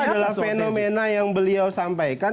ini adalah fenomena yang beliau sampaikan